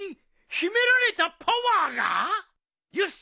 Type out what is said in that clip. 秘められたパワーが？よし！